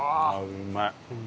うまい。